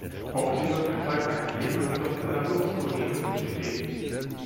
Auch die Möglichkeit, eine Regelung doppelt analog zu nehmen, besteht.